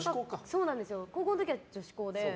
高校の時は女子校で。